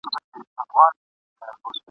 محکمې ته یې مېرمن کړه را حضوره !.